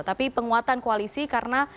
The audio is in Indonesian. tapi penguatan koalisi karena